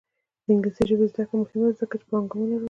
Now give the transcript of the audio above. د انګلیسي ژبې زده کړه مهمه ده ځکه چې پانګونه راوړي.